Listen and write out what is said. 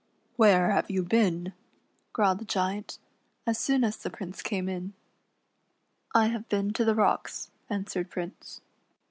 "Where have you been," growled the Giant, as soon as the Prince came in. " I have been to the rocks," answered Prince.